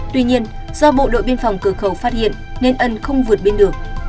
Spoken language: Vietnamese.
tuy nhiên do bộ đội biên phòng cửa khẩu phát hiện nên ân không vượt biên được